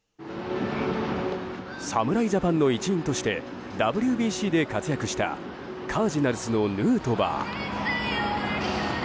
侍ジャパンの一員としてＷＢＣで活躍したカージナルスのヌートバー。